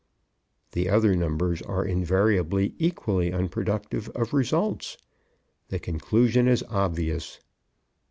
The other numbers are invariably equally unproductive of results. The conclusion is obvious.